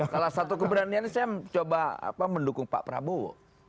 salah satu keberanian saya mencoba mendukung pak prabowo